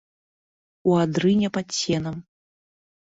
У адрыне пад сенам.